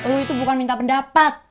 lu itu bukan minta pendapat